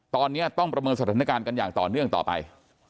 ตอนนี้ต้องประเมินสถานการณ์กันอย่างต่อเนื่องต่อไป